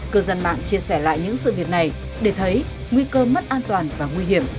cơ dân mạng chia sẻ lại những sự việc này để thấy nguy cơ mất an toàn và nguy hiểm